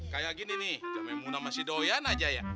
kayak gini nih muna masih doyan aja ya